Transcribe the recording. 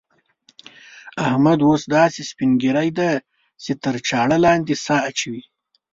احمد اوس داسې سپين ږيری دی چې تر چاړه لاندې سا اچوي.